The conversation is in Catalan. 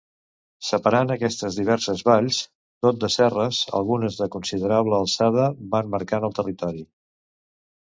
Separant aquestes diverses valls, tot de serres, algunes de considerable alçada, van marcant el territori.